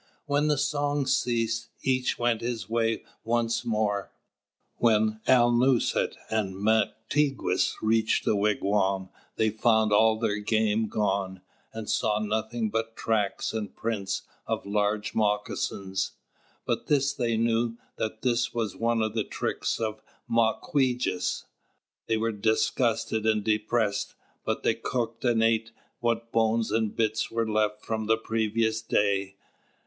When the song ceased, each went his way once more. When Alnūset and Mātigwess reached the wigwam, they found all their game gone, and saw nothing but tracks and prints of large moccasins. By this they knew that this was one of the tricks of Mawquejess. They were disgusted and depressed; but they cooked and ate what bones and bits were left from the previous day.